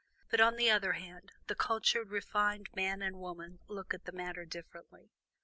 But, on the other hand, the cultured, refined man and woman look at the matter differently.